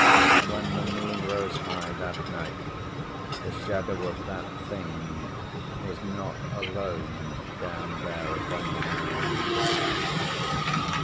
When the moon rose high that night the shadow of that Thing was not alone down there upon the mound.